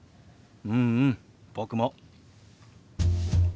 うんうん僕も。